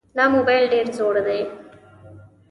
دا موبایل ډېر زوړ دی.